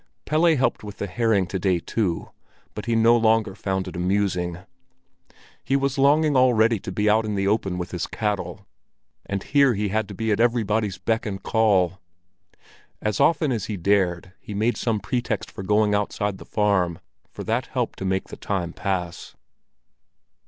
Pelle helped with the herring to day too, but he no longer found it amusing. He was longing already to be out in the open with his cattle; and here he had to be at everybody's beck and call. As often as he dared, he made some pretext for going outside the farm, for that helped to make the time pass.